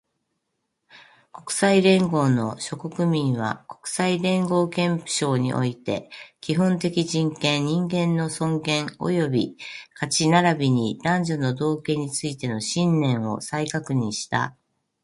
国際連合の諸国民は、国際連合憲章において、基本的人権、人間の尊厳及び価値並びに男女の同権についての信念を再確認した